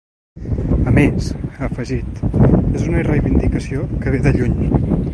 A més, ha afegit que és una reivindicació que ve de lluny.